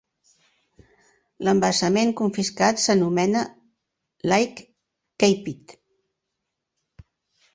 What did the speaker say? L'embassament confiscat s'anomena Lake Keepit.